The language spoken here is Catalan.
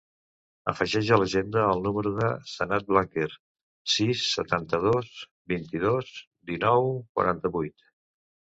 Afegeix a l'agenda el número del Sanad Blanquer: sis, setanta-dos, vint-i-dos, dinou, quaranta-vuit.